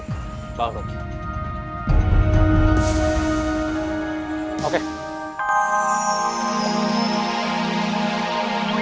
kita bisa disus ao